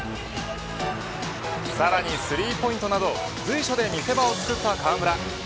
さらにスリーポイントなど随所で見せ場を作った河村。